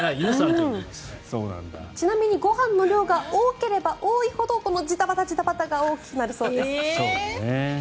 ちなみにご飯の量が多ければ多いほどこのじたばたが大きくなるそうです。